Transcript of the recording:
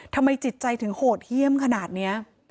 ทำไมจิตใจถึงโหดเยี่ยมขนาดนี้